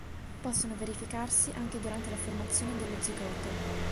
Possono verificarsi anche durante la formazione dello zigote.